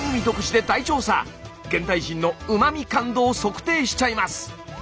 現代人のうま味感度を測定しちゃいます！